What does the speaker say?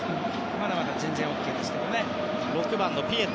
まだまだ全然ＯＫですけど。